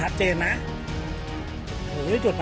อัศวินไทย